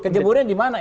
kejeburnya di mana